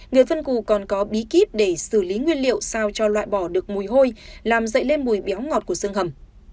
người phân cù còn có bí kíp để xử lý nguyên liệu sao cho loại bỏ được mùi hôi làm dậy lên mùi béo ngọt của dương hầm